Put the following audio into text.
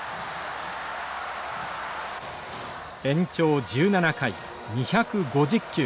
延長１７回２５０球。